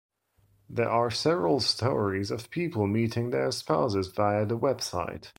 There are several stories of people meeting their spouses via the website.